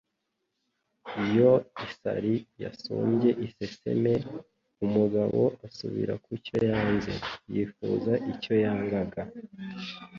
Iyo isari yasumbye iseseme, umugabo asubira kucyo yanze (yifuza icyo yangaga)